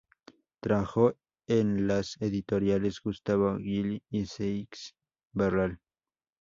Trabajó en las editoriales Gustavo Gilli y Seix Barral.